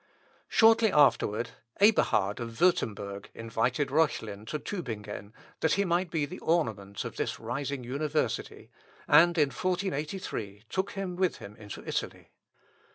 Shortly afterward, Eberhard of Wurtemberg invited Reuchlin to Tubingen, that he might be the ornament of this rising university, and in 1483 took him with him into Italy.